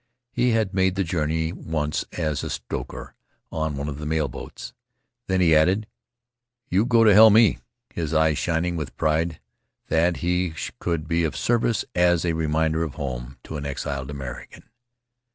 He had made the journey once as a stoker on one of the mail boats. Then he added, "You go to hell, me," his eyes shining with pride that he could be of service as a reminder of home to an exiled American.